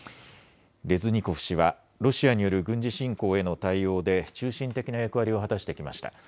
レズニコフ氏はロシアによる軍事侵攻への対応で中心的な役割を果たしてきました。